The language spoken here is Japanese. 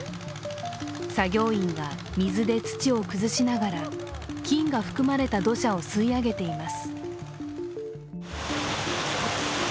作業員が水で土を崩しながら金が含まれた土砂を吸い上げています。